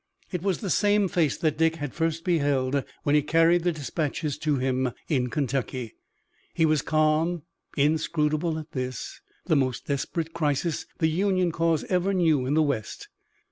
It was the same face that Dick had first beheld when he carried the dispatches to him in Kentucky. He was calm, inscrutable at this, the most desperate crisis the Union cause ever knew in the west.